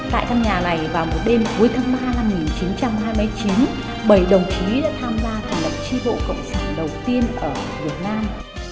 tại căn nhà này vào một đêm cuối tháng ba năm một nghìn chín trăm hai mươi chín bảy đồng chí đã tham gia thành lập tri bộ cộng sản đầu tiên ở việt nam